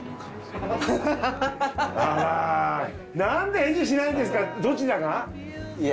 あらなんで返事しないんですかどちらが？いや。